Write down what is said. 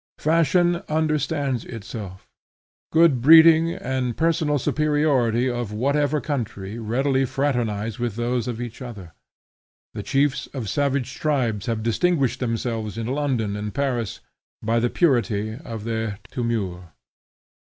Fashion understands itself; good breeding and personal superiority of whatever country readily fraternize with those of every other. The chiefs of savage tribes have distinguished themselves in London and Paris, by the purity of their tournure.